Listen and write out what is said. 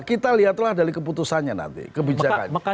kita lihatlah dari keputusannya nanti kebijakannya